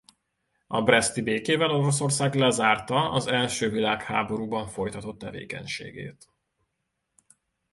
A breszti békével Oroszország lezárta az első világháborúban folytatott tevékenységét.